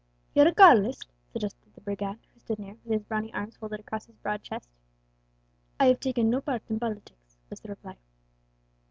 "You're a Carlist?" suggested the brigand, who stood near, with his brawny arms folded across his broad chest. "I have taken no part in politics," was the reply.